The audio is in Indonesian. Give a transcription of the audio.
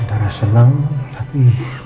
antara senang tapi